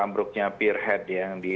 ambruknya peerhead yang di